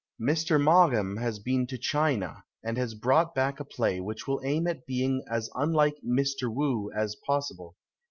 Mr. Maugham has been to China, and has brought back a play which will aim at being as unlike Mr. JVu as possible.